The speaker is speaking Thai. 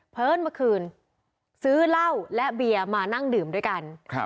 เมื่อคืนซื้อเหล้าและเบียร์มานั่งดื่มด้วยกัน